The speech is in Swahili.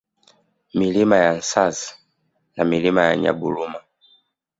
Milima ya Nsasi na Milima ya Nyaburuma